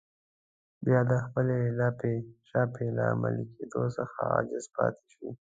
بيا د خپلې لاپې شاپې له عملي کېدو څخه عاجز پاتې شي.